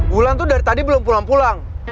mulan tuh dari tadi belum pulang pulang